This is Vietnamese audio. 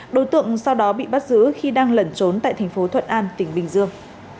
đối tượng sau đó bị bắt giữ khi đang lẩn trốn tại tp thuận an tỉnh bình dương